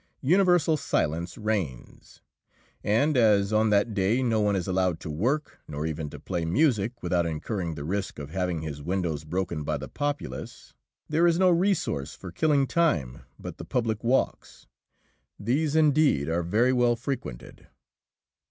Universal silence reigns, and as on that day no one is allowed to work nor even to play music without incurring the risk of having his windows broken by the populace, there is no resource for killing time but the public walks. These, indeed, are very well frequented.